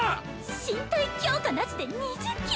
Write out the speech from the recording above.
身体強化なしで２０キロ？